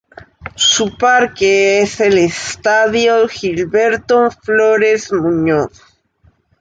Su parque es el Estadio "Gilberto Flores Muñoz".